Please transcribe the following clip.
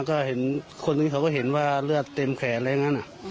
ก็เห็นคนนึงเขาก็เห็นว่าเลือดเต็มแขนอะไรอย่างนั้น